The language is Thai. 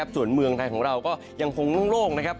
ส่วนเมืองไทยของเราก็ยังคงร่บงล่าง